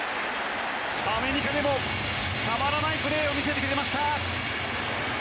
アメリカでもたまらないプレーを見せてくれました！